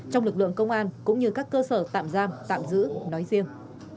trong lực lượng công an cũng như các cơ sở tạm giam tạm giữ nói riêng